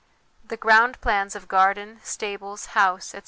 The ground plans of garden, stables, house, etc.